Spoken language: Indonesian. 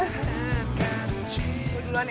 gue duluan ya